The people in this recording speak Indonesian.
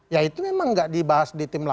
ya itu memang nggak dibahas di tim delapan